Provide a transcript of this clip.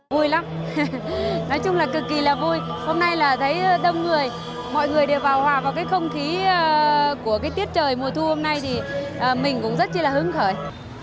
vui lắm nói chung là cực kỳ là vui hôm nay là thấy đông người mọi người đều vào hòa vào cái không khí của cái tiết trời mùa thu hôm nay thì mình cũng rất là hứng khởi